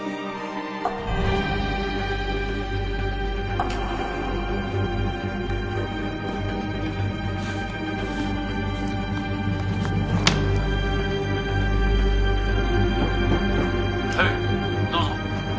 「はいどうぞ」